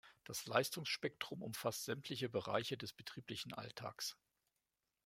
Das Leistungsspektrum umfasst sämtliche Bereiche des betrieblichen Alltags.